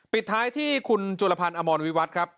ปิดท้ายที่คุณจุลพันธ์อมรวิวัตรครับ